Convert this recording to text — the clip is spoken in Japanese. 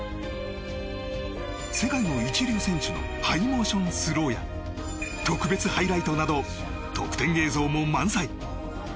世界の一流選手のハイモーションスローや特別ハイライトなど特典映像も満載。